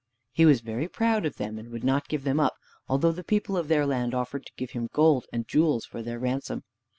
He was very proud of them, and would not give them up, although the people of their land offered to give him gold and jewels for their ransom.